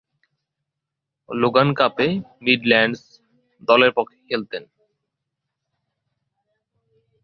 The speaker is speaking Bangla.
লোগান কাপে মিডল্যান্ডস দলের পক্ষে খেলতেন।